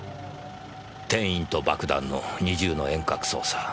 店員と爆弾の二重の遠隔操作。